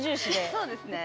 そうですね。